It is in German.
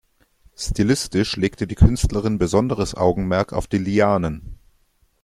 Stilistisch legte die Künstlerin besonderes Augenmerk auf die Lianen.